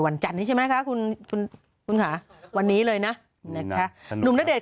จันนี้ใช่ไหมคะคุณคุณค่ะวันนี้เลยนะนะคะหนุ่มณเดชน